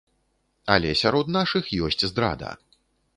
Але сярод нашых ёсць здрада.